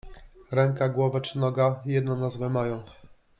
Ręka, głowa czy noga jedną nazwę mają